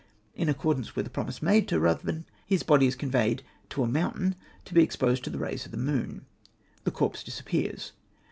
In accordance with a promise made to Ruthven, his body is conveyed to a mountain to be exposed to the rays of the moon. The corpse disappears.